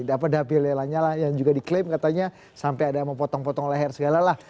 dapat dapilnya lanyala yang juga diklaim katanya sampai ada memotong potong leher segala lah